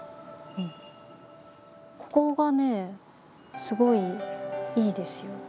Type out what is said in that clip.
ここがねすごいいいですよ。